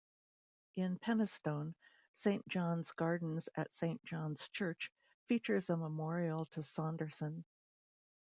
In Penistone, Saint John's Gardens at Saint John's Church features a memorial to Saunderson.